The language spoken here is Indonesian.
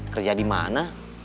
kerja di mana